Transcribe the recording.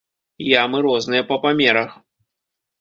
Ямы розныя па памерах.